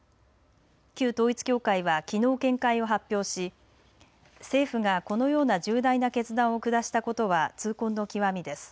旧統一教会はきのう見解を発表し政府がこのような重大な決断を下したことは痛恨の極みです。